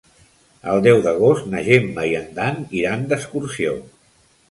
El deu d'agost na Gemma i en Dan iran d'excursió.